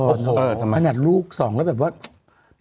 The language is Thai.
ทำไมขนาดลูกสองแล้วแบบว่า